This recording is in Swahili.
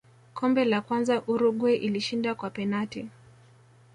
Kombe la kwanza Uruguay ilishinda kwa penati